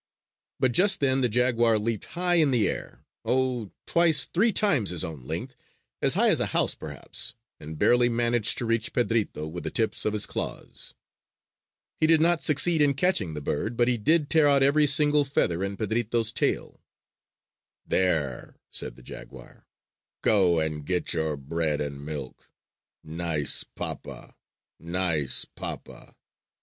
But just then the jaguar leaped high in the air oh, twice, three times his own length, as high as a house perhaps, and barely managed to reach Pedrito with the tips of his claws. He did not succeed in catching the bird but he did tear out every single feather in Pedrito's tail. "There!" said the jaguar, "go and get your bread and milk! Nice papa! Nice papa!